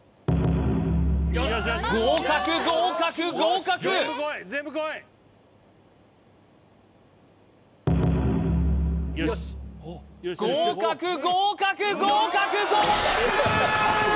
合格合格合格合格合格合格合格！